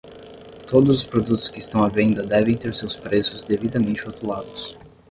Todos os produtos que estão à venda devem ter seus preços devidamente rotulados.